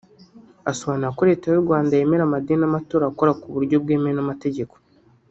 Asobanura ko Leta y’u Rwanda yemera amadini n’amatorero akora ku buryo bwemewe n’amategeko